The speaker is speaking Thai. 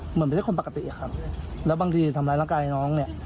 เหมือนไม่ใช่คนปกติครับแล้วบางทีทำร้ายร่างกายน้องเนี่ย